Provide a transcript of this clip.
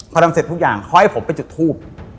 พอทำเสร็จทุกอย่างเขาให้ผมไปจุดทูบ